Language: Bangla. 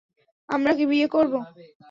আমরা কি বিয়ে করবো?